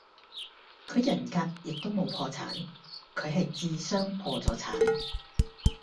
佢人格亦都冇破產，佢系智商破咗產